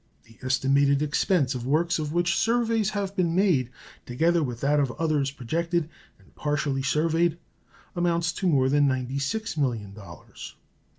The estimated expense of works of which surveys have been made, together with that of others projected and partially surveyed, amounts to more than $96 millions.